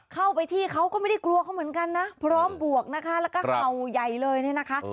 เข้าไปที่เขาก็ไม่ได้กลัวเขาเหมือนกันนะพร้อมบวกนะคะแล้วก็เห่าใหญ่เลยเนี่ยนะคะ